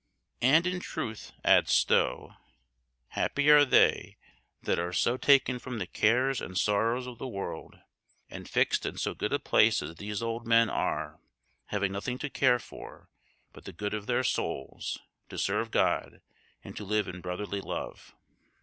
"And in truth," adds Stow, "happy are they that are so taken from the cares and sorrows of the world, and fixed in so good a place as these old men are; having nothing to care for but the good of their souls, to serve God, and to live in brotherly love."